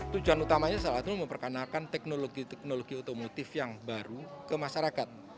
tujuan utamanya salah satu memperkenalkan teknologi teknologi otomotif yang baru ke masyarakat